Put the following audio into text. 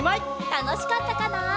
たのしかったかな？